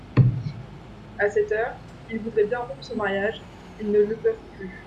A cette heure, ils voudraient bien rompre ce mariage, ils ne le peuvent plus.